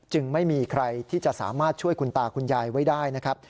ไม่มีใครที่จะสามารถช่วยคุณตาคุณยายไว้ได้นะครับ